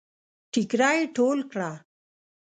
ټيکړی ټول کړه